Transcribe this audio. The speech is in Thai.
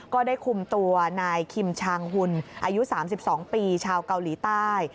ก็ได้คุมตัวนายคิมชางหุ่นอายุ๓๒ปีชาวเกาหลีใต้